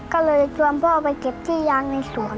ก็เลยชวนพ่อไปเก็บขี้ยางในสวน